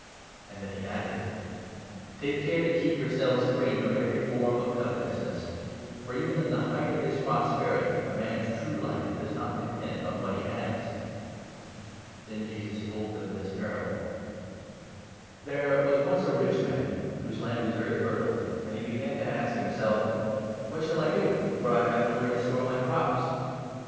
And then he added : "Take care to keep yourselves free from every form of covetousness ; for even in the height of his prosperity a man's true Life does not depend on what he has." Then Jesus told them this parable —" There was once a rich man whose land was very fertile ; and he began to ask himself ' What shall I do, for I have nowhere to store my crops